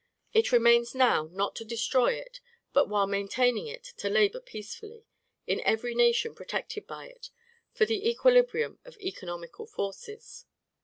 It remains now, not to destroy it, but, while maintaining it, to labor peacefully, in every nation protected by it, for the equilibrium of economical forces.